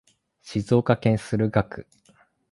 静岡市駿河区